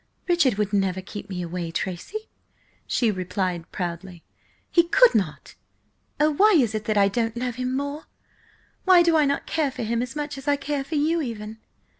"Richard would never keep me away, Tracy!" she replied proudly. "He could not. Oh, why is it that I don't love him more? Why do I not care for him as much as I care for you even?"